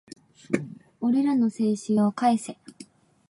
俺らの青春を返せ